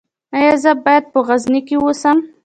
ایا زه باید په غزني کې اوسم؟